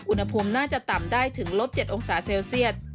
อุณหภูมิน่าจะต่ำได้ถึงลบ๗องศาเซลเซียต